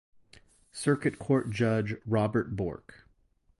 Circuit Court Judge Robert Bork.